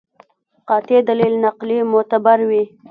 قاطع دلیل نقلي معتبر وي.